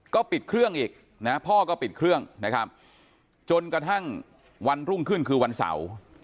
ก็ปิดเครื่องอีกนะพ่อก็ปิดเครื่องนะครับจนกระทั่งวันรุ่งขึ้นคือวันเสาร์